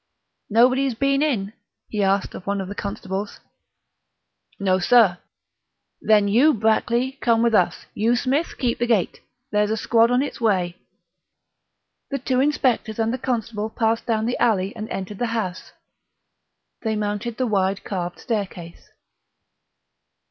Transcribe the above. "Nobody's been in?" he asked of one of the constables. "No, sir." "Then you, Brackley, come with us; you, Smith, keep the gate. There's a squad on its way." The two inspectors and the constable passed down the alley and entered the house. They mounted the wide carved staircase.